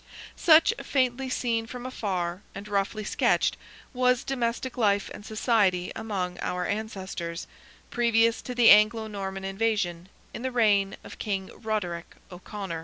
Such, faintly seen from afar, and roughly sketched, was domestic life and society among our ancestors, previous to the Anglo Norman invasion, in the reign of King Roderick O'Conor.